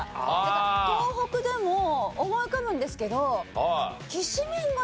東北でも思い浮かぶんですけど。